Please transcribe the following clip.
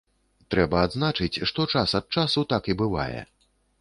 Трэба адзначыць, што час ад часу так і бывае.